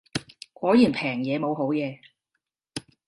果然平嘢冇好嘢